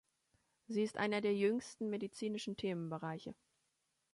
Sie ist einer der jüngsten medizinischen Themenbereiche.